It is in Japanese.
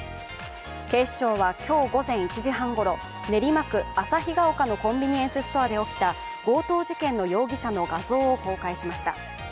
警視庁は今日午前１時半ごろ、練馬区旭丘のコンビニエンスストアで起きた強盗事件の容疑者の画像を公開しました。